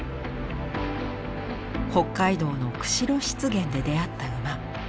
北海道の釧路湿原で出会った馬。